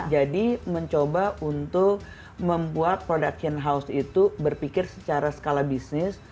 jadi mencoba untuk membuat production house itu berpikir secara skala bisnis